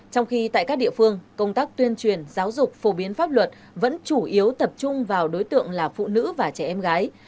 trong khi tại các địa phương công tác tuyên truyền giáo dục phổ biến pháp luật vẫn chủ yếu tập trung vào nạn nhân mua bán người